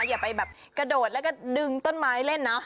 อย่าไปแบบกระโดดแล้วก็ดึงต้นไม้เล่นนะ